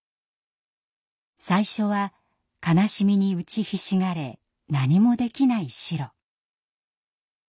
最初は悲しみに打ちひしがれ何もできないシロ。